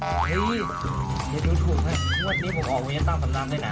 เฮ้ยนี่ดูถูกให้วันนี้ผมออกวันนี้ตั้งสำหรับใดหน่า